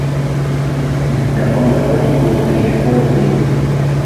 The Conservative group gained four seats.